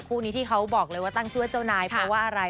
คู่นี้ที่เขาบอกเลยว่าตั้งชื่อว่าเจ้านายเพราะว่าอะไร